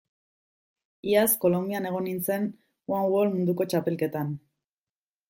Iaz Kolonbian egon nintzen one wall munduko txapelketan.